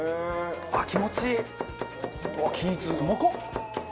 気持ちいい。